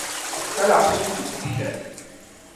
Skaļāk mūziku, mīļais.